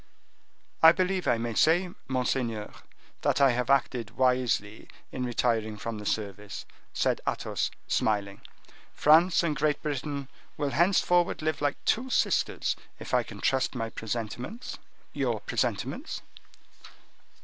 "I believe I may say, monseigneur, that I have acted wisely in retiring from the service," said Athos, smiling. "France and Great Britain will henceforward live like two sisters, if I can trust my presentiments." "Your presentiments?"